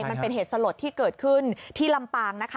มันเป็นเหตุสลดที่เกิดขึ้นที่ลำปางนะคะ